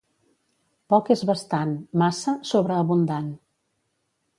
Poc és bastant; massa, sobreabundant.